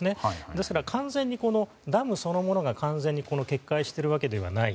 ですから完全にダムそのものが決壊しているわけではない。